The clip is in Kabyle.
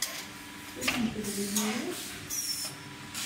Ur ten-tebɣim ara?